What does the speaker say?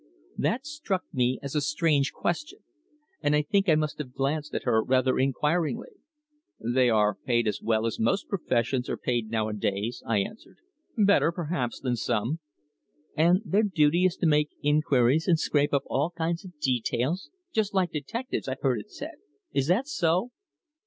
That struck me as a strange question, and I think I must have glanced at her rather inquiringly. "They are paid as well as most professions are paid nowadays," I answered. "Better, perhaps, than some." "And their duty is to make inquiries and scrape up all kinds of details, just like detectives, I've heard it said. Is that so?"